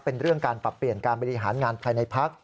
เป็นเรื่องการปรับเปลี่ยนการบริหารงานภายในพัก